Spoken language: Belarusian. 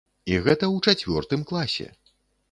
І гэта ў чацвёртым класе.